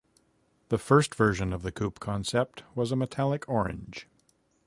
The first version of the Coupe Concept was a metallic orange.